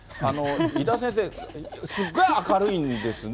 伊田先生、それ、明るいんですかね？